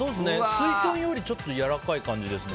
すいとんよりちょっとやわらかい感じですね。